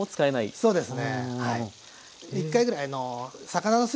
そうですね。